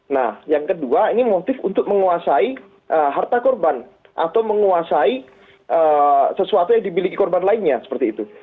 nah yang kedua ini motif untuk menguasai harta korban atau menguasai sesuatu yang dimiliki korban lainnya seperti itu